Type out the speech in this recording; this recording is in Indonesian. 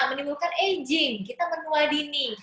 menimbulkan aging kita menua dini